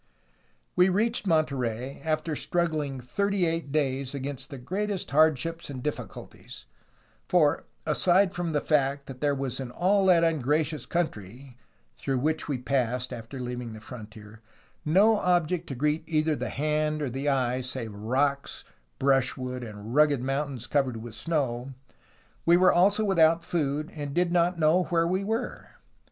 "We reached Monterey after struggling thirty eight days against the greatest hardships and difficulties; for, aside from the fact that there was in all that ungracious country (through which we passed after leaving the frontier) no object to greet either the hand or the eye save rocks, brushwood, and rugged mountains covered with snow, we were also without food and did not know where we were.